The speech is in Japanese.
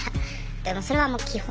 でもそれはもう基本？